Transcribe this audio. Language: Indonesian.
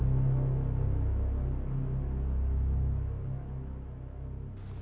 kau memang anak yang berbakti